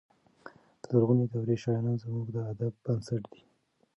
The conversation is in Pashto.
د لرغونې دورې شاعران زموږ د ادب بنسټ دی.